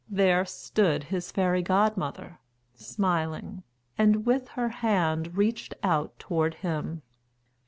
There stood his fairy godmother, smiling, and with her hand reached out toward him.